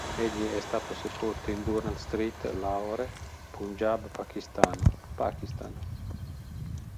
Egli è stato sepolto in Durand Street, Lahore, Punjab pakistano, Pakistan.